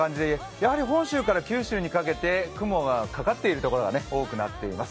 やはり本州から九州にかけて雲がかかっている所が多くなっています。